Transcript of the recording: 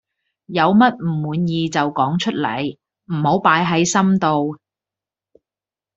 有乜唔滿意嘅就講出嚟，唔好擺係心度。